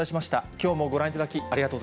きょうもご覧いただき、ありがと